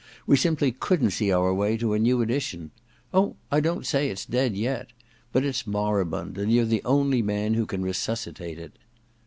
We simply couldn't see our way to a new edition. Oh, I don't say it's dead yet — ^but it's moribund, and you're the only man who can resuscitate it.'